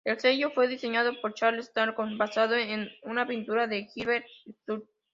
El sello fue diseñado por Charles Talcott, basado en una pintura de Gilbert Stuart.